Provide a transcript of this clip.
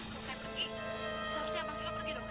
kalo saya pergi seharusnya bangkrut pergi juga ya